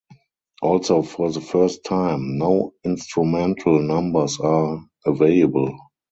Also for the first time, no instrumental numbers are available.